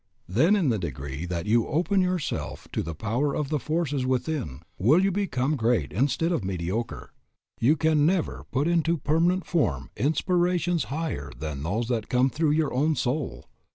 Then in the degree that you open yourself to the power of the forces within will you become great instead of mediocre. You can never put into permanent form inspirations higher than those that come through your own soul.